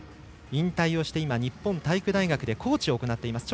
引退をして今、日本体育大学でコーチを行っています。